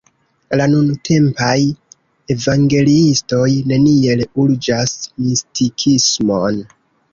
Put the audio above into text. La nuntempaj evangeliistoj neniel urĝas mistikismon.